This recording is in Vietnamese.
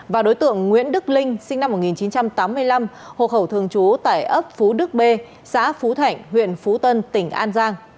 và đối tượng nguyễn đức linh sinh năm một nghìn chín trăm tám mươi năm hộ khẩu thường trú tại ấp phú đức b xã phú thạnh huyện phú tân tỉnh an giang